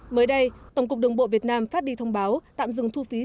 mới đây tổng cục đường bộ việt nam đã đưa ra thông báo về việc tạm dừng thu phí bằng vé